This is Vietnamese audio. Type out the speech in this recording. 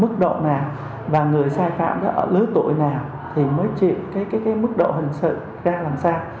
mức độ nào và người sai phạm đó ở lứa tuổi nào thì mới chịu cái mức độ hình sự ra làm sao